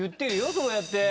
そうやって。